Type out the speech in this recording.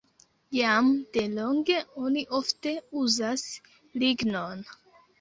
Jam delonge oni ofte uzas lignon.